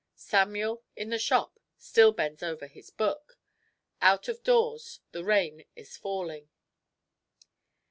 Samuel, in the shop, still bends over his book. Out of doors the rain is falling.